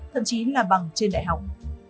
thậm chí là bằng trên đại học